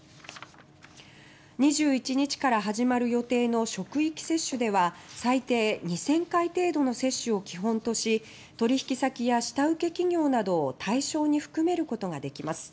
２１日から始まる予定の職域接種では最低２０００回程度の接種を基本とし取引先や下請け企業などを対象に含めることができます。